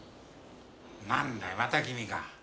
なんだまた君か。